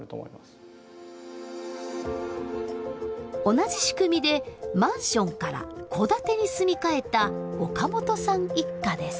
同じ仕組みでマンションから戸建てに住み替えた岡本さん一家です。